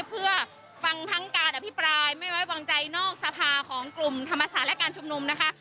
เพื่อฟังทั้งการอภิปรายไม่ไว้วางใจนอกสภาของกลุ่มธรรมศาสตร์และการชุมนุมนะคะ